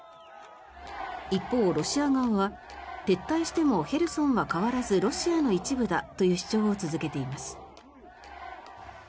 一方、ロシア側は撤退してもヘルソンは、変わらずロシアの一部だという主張を続けています。